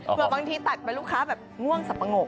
เพราะบางทีตัดไปลูกค้าแบบง่วงสะปะงก